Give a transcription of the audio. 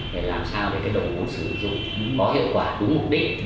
để làm sao để cái đồng vốn sử dụng có hiệu quả đúng mục đích